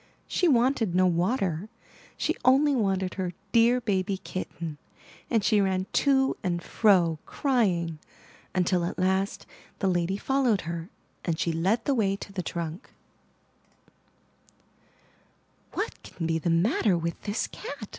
She wanted no water, — she only wanted her dear baby kitten; and she ran to and fro crying, until, at last, the lady followed her; and she led the way to the trunk. 183 MY BOOK HOUSE "What can be the matter with this cat?